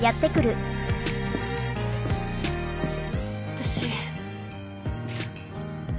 私。